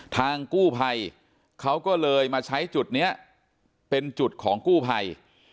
ทางกู้ภัยเขาก็เลยมาใช้จุดนี้เป็นจุดของกู้ภัย